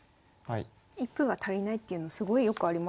一歩が足りないっていうのすごいよくありますもんね